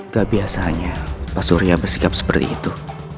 gak biasanya pak surya bersikap seperti itu